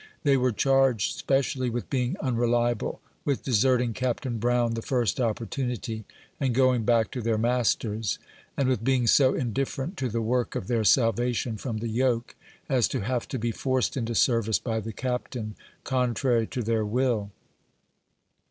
They were charged specially with being unreliable, with deserting Captain Brown the first opportunity, and going back to their m&Rters ; and with being so indifferent to the work of their salvation from the yoke, as to have to be forced into service by the Captain, contrary to their will.